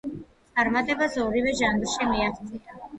წარმატებას ორივე ჟანრში მიაღწია.